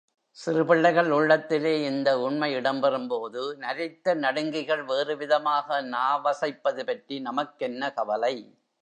சிறு பிள்ளைகள் உள்ளத்திலே இந்த உண்மை இடம்பெறும்போது நரைத்த நடுங்கிகள் வேறுவிதமாக நாவசைப்பது பற்றி நமக்கென்ன கவலை!